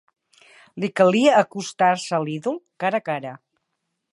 Li calia acostar-se a l'ídol, cara a cara